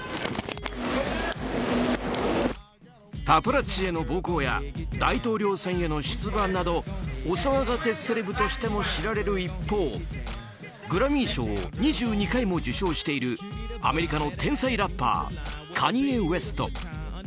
パパラッチへの暴行や大統領選への出馬などお騒がせセレブとしても知られる一方グラミー賞を２２回も受賞しているアメリカの天才ラッパーカニエ・ウェスト。